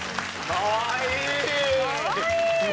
かわいい！